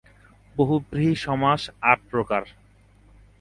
বহুব্রীহি সমাস আট প্রকার।